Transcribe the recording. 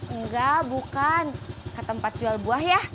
enggak bukan ke tempat jual buah ya